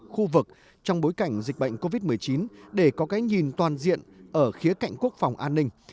khu vực trong bối cảnh dịch bệnh covid một mươi chín để có cái nhìn toàn diện ở khía cạnh quốc phòng an ninh